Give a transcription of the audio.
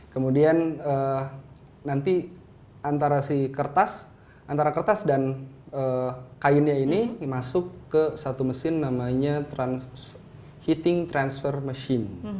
kemudian nanti antara si kertas antara kertas dan kainnya ini masuk ke satu mesin namanya heating transfer machine